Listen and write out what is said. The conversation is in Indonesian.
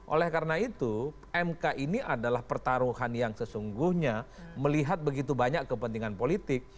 oleh karena itu mk ini adalah pertaruhan yang sesungguhnya melihat begitu banyak kepentingan politik